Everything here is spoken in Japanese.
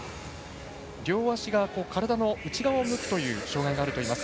両足が、体の内側を向くという障がいがあるといいます。